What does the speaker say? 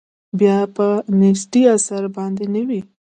بیا به د نیستۍ اثر پاتې نه وي.